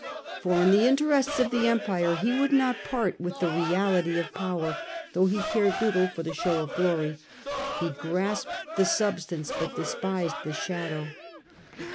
For in the interests of the empire he would not part with the reality of power, though he cared little for the show of glory ; he grasped the substance, but despised the shadow.